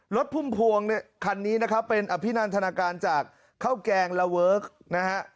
พุ่มพวงเนี่ยคันนี้นะครับเป็นอภินันทนาการจากข้าวแกงละเวิร์คนะฮะ